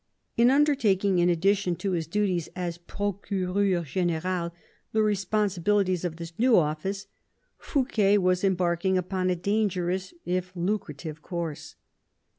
In undertaking, in addition to his duties as procureur gM^al, the responsi bilities of this new office, Fouquet was embarking upon a dangerous if lucrative course.